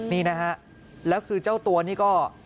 นี่นะฮะแล้วคือเจ้าตัวนี่ก็